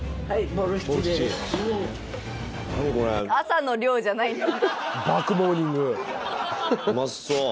はい。